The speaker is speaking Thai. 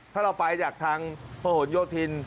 ถ้าเราไปจากทางพระหลโยธิน